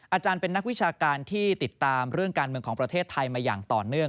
อาจารย์เป็นนักวิชาการที่ติดตามเรื่องการเมืองของประเทศไทยมาอย่างต่อเนื่อง